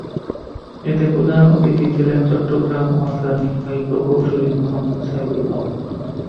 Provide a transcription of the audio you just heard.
এতে প্রধান অতিথি ছিলেন চট্টগ্রাম ওয়াসার নির্বাহী প্রকৌশলী মোহাম্মদ সাইদুল হক।